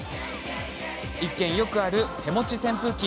一見、よくある手持ち扇風機。